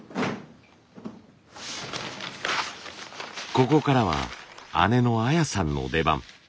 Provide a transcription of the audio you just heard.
ここからは姉の綾さんの出番。